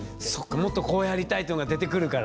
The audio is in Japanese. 「もっとこうやりたい」ってのが出てくるから。